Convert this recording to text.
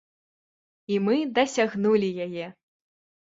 І мы дасягнулі яе!